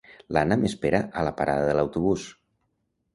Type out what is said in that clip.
L'Anna m'esperarà a la parada de l'autobús